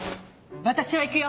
私は行くよ！